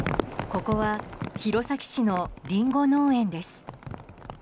ここは弘前市のリンゴ農園です。